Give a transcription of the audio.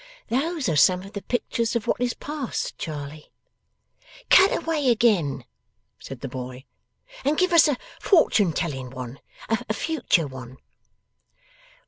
'Those are some of the pictures of what is past, Charley.' 'Cut away again,' said the boy, 'and give us a fortune telling one; a future one.